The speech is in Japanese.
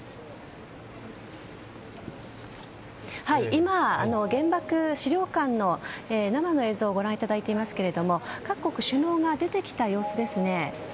今、原爆資料館の生の映像をご覧いただいていますけども各国首脳が出てきた様子ですね。